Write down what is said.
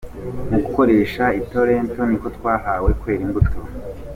Ugukoresha Italanto twahawe nikwo kwera imbuto.